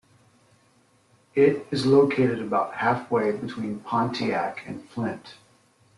It is located about halfway between Pontiac and Flint.